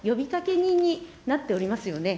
人になっておりますよね。